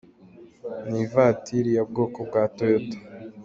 Ni ivatiri yo bwoko bwa Toyota.